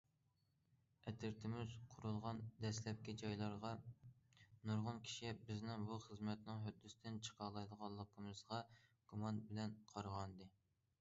ئەترىتىمىز قۇرۇلغان دەسلەپكى چاغلاردا نۇرغۇن كىشى بىزنىڭ بۇ خىزمەتنىڭ ھۆددىسىدىن چىقالايدىغانلىقىمىزغا گۇمان بىلەن قارىغانىدى.